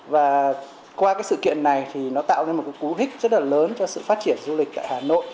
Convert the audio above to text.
và qua sự kiện này nó tạo nên một cú hích rất lớn cho sự phát triển du lịch tại hà nội